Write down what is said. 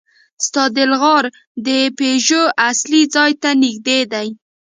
ستادل غار د پيژو اصلي ځای ته نږدې دی.